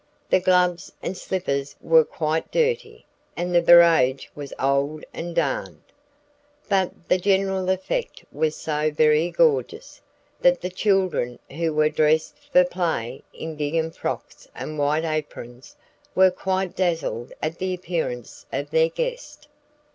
The gloves and slippers were quite dirty, and the barège was old and darned; but the general effect was so very gorgeous, that the children, who were dressed for play, in gingham frocks and white aprons, were quite dazzled at the appearance of their guest.